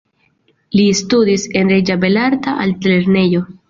Li studis en Reĝa Belarta Altlernejo.